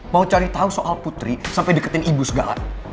mau cari tahu soal putri sampai deketin ibu segala